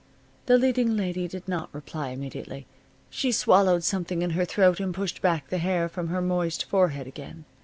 The leading lady did not reply immediately. She swallowed something in her throat and pushed back the hair from her moist forehead again.